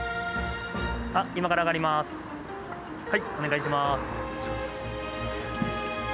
はいお願いします。